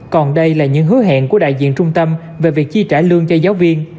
còn đây là những hứa hẹn của đại diện trung tâm về việc chi trả lương cho giáo viên